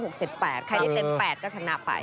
ใครได้เต็ม๘ก็ชนะไป